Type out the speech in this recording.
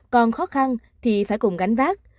còn khó khăn thì phải cùng gánh vác